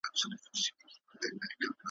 ړانده وویل بچی د ځناور دی ,